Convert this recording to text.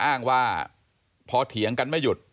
อ้างว่าพอเถียงกันไม่หยุด